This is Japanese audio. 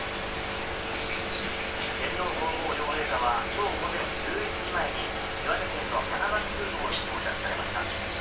天皇皇后両陛下はきょう午前１１時前に、岩手県の花巻空港に到着されました。